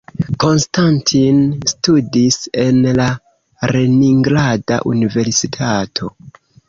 Konstantin studis en la Leningrada Universitato.